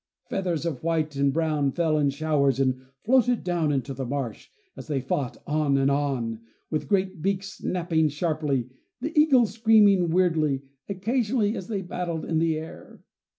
Feathers of white and brown fell in showers, and floated down into the marsh, as they fought on and on, with great beaks snapping sharply, the eagle screaming weirdly, occasionally, as they battled in the air.